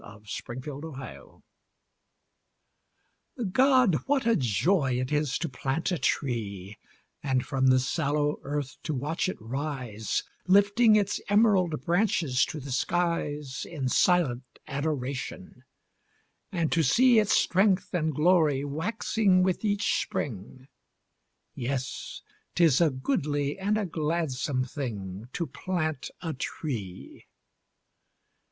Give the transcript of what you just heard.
GO PLANT A TREE God, what a joy it is to plant a tree, And from the sallow earth to watch it rise, Lifting its emerald branches to the skies In silent adoration; and to see Its strength and glory waxing with each spring. Yes, 'tis a goodly, and a gladsome thing To plant a tree.